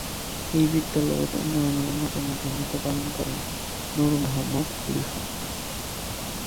এই বিদ্যালয়ের উন্নয়নে অন্যতম ভূমিকা পালন করেন, নূর মোহাম্মদ খলিফা।।